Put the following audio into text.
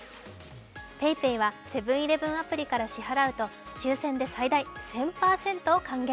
ＰａｙＰａｙはセブン−イレブンアプリから支払うと、抽選で最大１０００％を還元。